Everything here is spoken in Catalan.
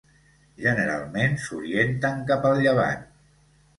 Generalment s'orienten cap al llevant.